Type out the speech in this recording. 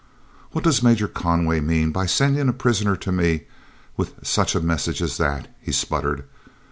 "What does Major Conway mean by sending a prisoner to me with such a message as that?" he sputtered.